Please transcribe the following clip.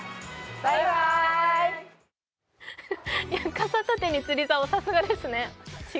傘立てに釣りざお、さすがですね。